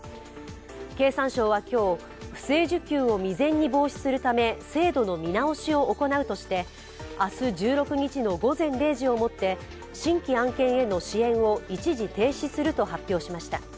経産省は今日、不正受給を未然に防止するため制度の見直しを行うとして明日１６日の午前０時をもって新規案件への支援を一時停止すると発表しました。